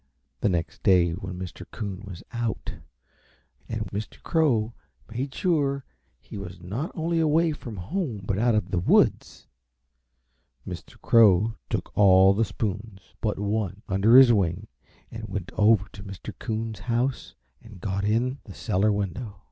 The next day when Mr. Coon was out and Mr. Crow made sure he was not only away from home but out of the woods Mr. Crow took all the spoons but one under his wing and went over to Mr. Coon's house and got in the cellar window.